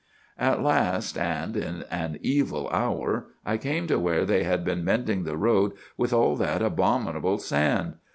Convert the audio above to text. "'At last, and in an evil hour, I came to where they had been mending the road with all that abominable sand.